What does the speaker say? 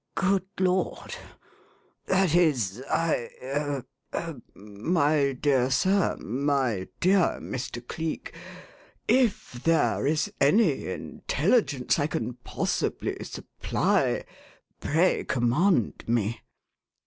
"Good Lord! That is, I er er my dear sir, my dear Mr. Cleek, if there is any intelligence I can possibly supply, pray command me."